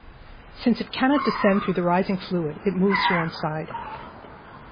Since it cannot descend through the rising fluid, it moves to one side.